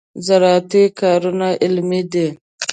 زراعتي کارونه علمي دي.